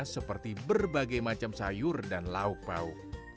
seperti berbagai macam sayur dan lauk pauk